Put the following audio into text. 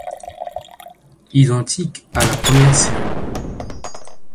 Identique à la première série.